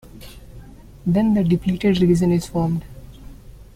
Then the depleted region is formed.